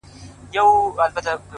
گرانه شاعره لږ څه يخ دى كنه،